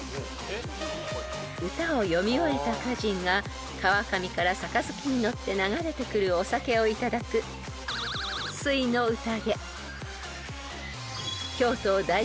［歌を詠み終えた歌人が川上から杯にのって流れてくるお酒をいただく水の宴］